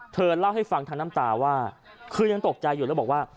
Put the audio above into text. เธอเล่าให้ฟังทั้งน้ำตาว่าคือยังตกใจอยู่แล้วบอกว่า